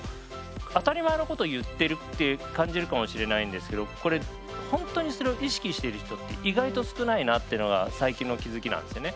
当たり前のこと言ってるって感じるかもしれないんですけどこれほんとにそれを意識してる人って意外と少ないなっていうのが最近の気付きなんですよね。